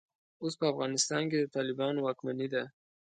اوس په افغانستان کې د طالبانو واکمني ده.